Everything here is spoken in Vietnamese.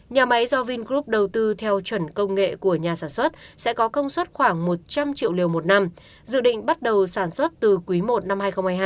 nhà máy do vingroup đầu tư theo chuẩn công nghệ của nhà sản xuất sẽ có công suất khoảng một trăm linh triệu liều một năm dự định bắt đầu sản xuất từ quý i năm hai nghìn hai mươi hai